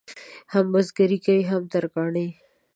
هم بزګري کوي او هم ترکاڼي.